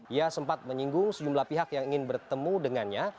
ia sempat menyinggung sejumlah pihak yang ingin bertemu dengannya